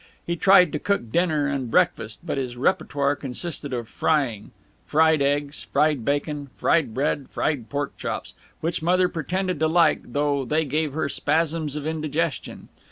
He tried to cook dinner and breakfast, but his repertoire consisted of frying fried eggs, fried bacon, fried bread, fried pork chops, which Mother pretended to like, though they gave her spasms of indigestion.